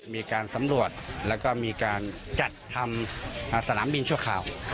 มีการสำรวจแล้วก็มีการจัดทำสนามบินชั่วคราว